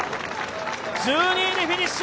１２位でフィニッシュ。